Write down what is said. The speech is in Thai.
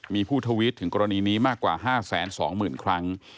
มีผู้ทวิตถึงกรณีนี้มากกว่า๕๒๐๐๐ครั้ง